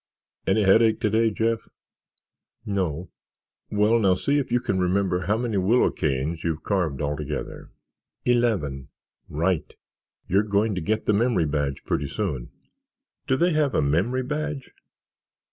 Any headache today, Jeff?" "No." "Well, now see if you can remember how many willow canes you've carved altogether." "Eleven." "Right. You're going to get the memory badge pretty soon." "Do they have a memory badge?"